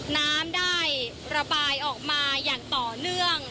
น้ำได้ระบายออกมาอย่างต่อเนื่อง